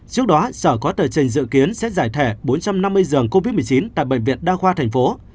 trước đó sở có tờ trình dự kiến sẽ giải thể bốn trăm năm mươi giường covid một mươi chín tại bệnh viện đa khoa thành phố